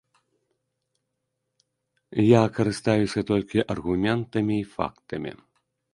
Я карыстаюся толькі аргументамі і фактамі.